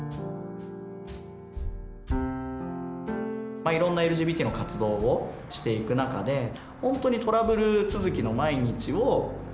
まあいろんなＬＧＢＴの活動をしていく中で本当にトラブル続きの毎日を何か共に越えてきた。